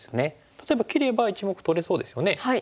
例えば切れば１目取れそうですよね。